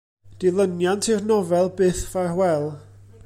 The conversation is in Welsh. Dilyniant i'r nofel Byth Ffarwél.